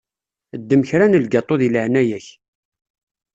Ddem kra n lgaṭu deg leεnaya-k.